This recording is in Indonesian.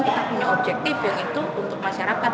kita punya objektif yang itu untuk masyarakat